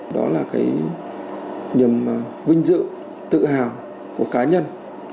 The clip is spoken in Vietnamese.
đó là cái niềm vinh dự tự hào của cá nhân